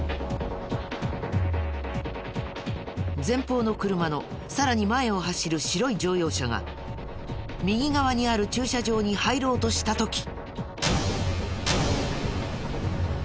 前方の車のさらに前を走る白い乗用車が右側にある駐車場に入ろうとした時。